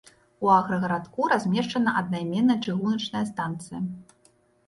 У аграгарадку размешчана аднайменная чыгуначная станцыя.